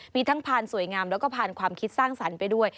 มีทั้งพานสวยงามแล้วก็พานความคิดสร้างสรรค์ไปด้วย